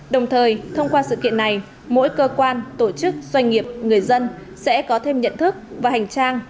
đồng thời thông qua sự kiện này mỗi cơ quan tổ chức doanh nghiệp người dân sẽ có thêm nhận thức và hành trang